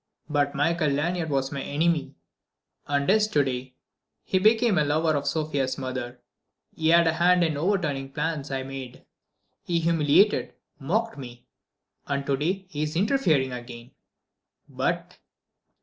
"But Michael Lanyard was my enemy ... and is to day.... He became a lover of Sofia's mother, he had a hand in overturning plans I had made, he humiliated, mocked me.... And to day he is interfering again.... But